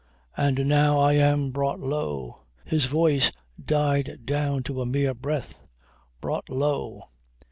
And now I am brought low." His voice died down to a mere breath. "Brought low."